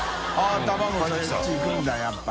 △卵それそっちいくんだやっぱ。